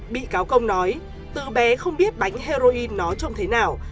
bị cáo công nói từ bé không biết bánh heroin nó trông thế nào